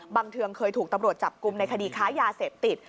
เทืองเคยถูกตำรวจจับกลุ่มในคดีค้ายาเสพติด